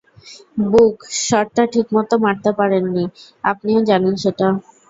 ব্যুক, শটটা ঠিকমত মারতে পারেননি, আপনিও জানেন সেটা!